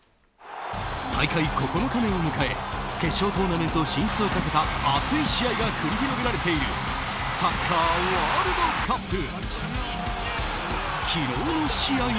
大会９日目を迎え決勝トーナメント進出をかけた熱い試合が繰り広げられているサッカー、ワールドカップ。